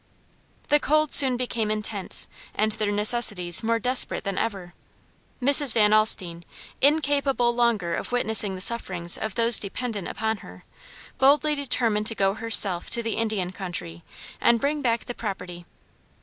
The cold soon became intense and their necessities more desperate than ever. Mrs. Van Alstine, incapable longer of witnessing the sufferings of those dependent upon her, boldly determined to go herself to the Indian country and bring back the property.